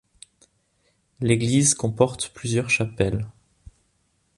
L'église comporte plusieurs chapelles.